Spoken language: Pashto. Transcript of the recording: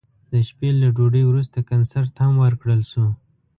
د شپې له ډوډۍ وروسته کنسرت هم ورکړل شو.